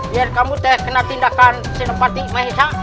biar kamu t kena tindakan senopati mesa